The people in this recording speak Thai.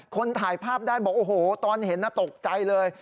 ถ่ายภาพได้บอกโอ้โหตอนเห็นตกใจเลย